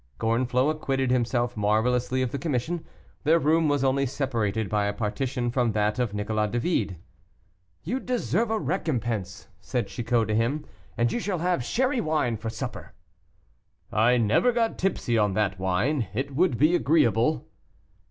Gorenflot acquitted himself marvelously of the commission. Their room was only separated by a partition from that of Nicolas David. "You deserve a recompense," said Chicot to him, "and you shall have sherry wine for supper." "I never got tipsy on that wine; it would be agreeable."